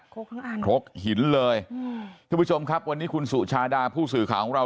กทั้งอันครกหินเลยอืมทุกผู้ชมครับวันนี้คุณสุชาดาผู้สื่อข่าวของเรา